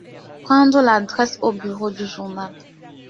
Prendre l'adresse au bureau du journal.